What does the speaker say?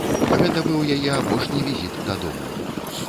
Гэта быў яе апошні візіт дадому.